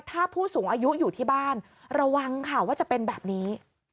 ถ้าผู้สูงอายุอยู่ที่บ้านระวังค่ะว่าจะเป็นแบบนี้